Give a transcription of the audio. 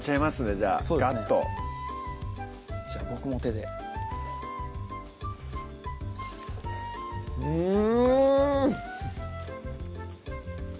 じゃあガッとじゃあ僕も手でうん！